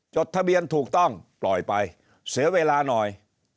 จดทะเบียนถูกต้องปล่อยไปเสียเวลาหน่อย